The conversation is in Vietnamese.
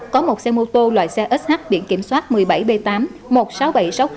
có một xe mô tô loại xe sh biển kiểm soát một mươi bảy b tám một mươi sáu nghìn bảy trăm sáu mươi